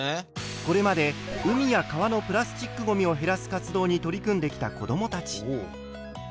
これまで海や川のプラスチックごみを減らす活動に取り組んできた子どもたち。